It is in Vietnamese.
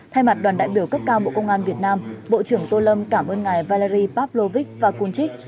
thay mặt đoàn đại biểu cấp cao bộ công an việt nam bộ trưởng tô lâm cảm ơn ngài valery pavlovich pakunchik